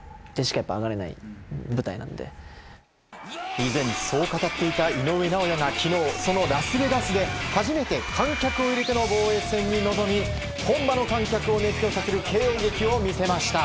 以前そう語っていた井上尚弥が昨日、そのラスベガスで初めて観客を入れての防衛戦に臨み本場の観客を熱狂させるＫＯ劇を見せました。